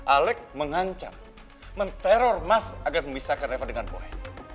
alec mengancam men teror mas agar memisahkan reva dengan boy